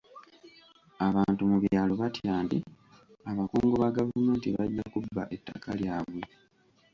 Abantu mu byalo batya nti abakungu ba gavumenti bajja kubba ettaka lyabwe.